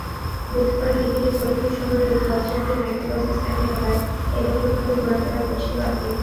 বুধবার বিকেলে ফরিদপুর শহরের গোয়ালচামটে মাইক্রোবাস স্ট্যান্ড এলাকায় এলোমেলোভাবে ঘোরাফেরা করছিল আসিফ।